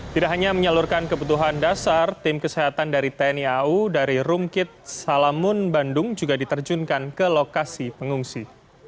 tidak hanya menyalurkan kebutuhan dasar tim kesehatan dari tni au dari rumkit salamun bandung juga diterjunkan ke lokasi pengungsi